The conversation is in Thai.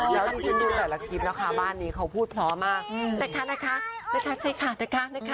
แล้วนี่ฉันดูแต่ละคลิปนะคะบ้านนี้เขาพูดพร้อมมากนะคะนะคะนะคะใช่ค่ะนะคะนะคะคุณแม่ค่ะ